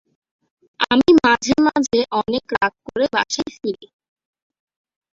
আমি মাঝে-মাঝে অনেক রাত করে বাসায় ফিরি।